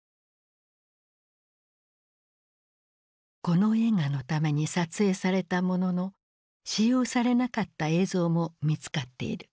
この映画のために撮影されたものの使用されなかった映像も見つかっている。